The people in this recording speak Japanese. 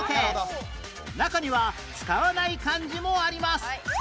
中には使わない漢字もあります